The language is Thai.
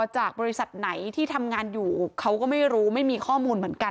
จากบริษัทไหนที่ทำงานอยู่เขาก็ไม่รู้ไม่มีข้อมูลเหมือนกัน